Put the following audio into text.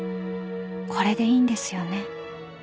これでいいんですよね？］